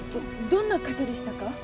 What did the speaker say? どんな方でしたか？